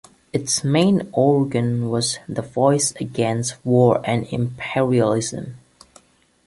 Its main organ was the "Voice Against War and Imperialism".